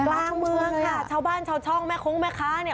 กลางเมืองค่ะชาวบ้านชาวช่องแม่คงแม่ค้าเนี่ย